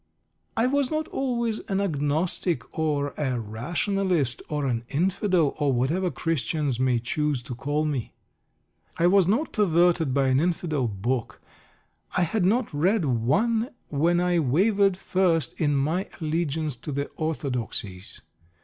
I was not always an Agnostic, or a Rationalist, or an "Infidel," or whatever Christians may choose to call me. I was not perverted by an Infidel book. I had not read one when I wavered first in my allegiance to the orthodoxies.